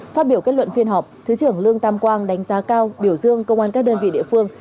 phát biểu kết luận phiên họp thứ trưởng lương tam quang đánh giá cao biểu dương công an các đơn vị địa phương